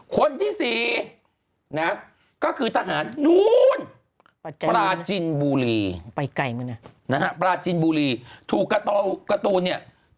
คนที่๔ก็คือทหารนู้นปราจินบูรีปราจินบูรีถูกกระตูนเนี่ย